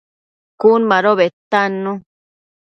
Cun mado bedtannu